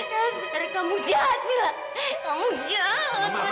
hai sheep kamuicken ia seperti